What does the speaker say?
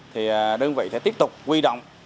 thì đơn vị sẽ tiếp tục quy động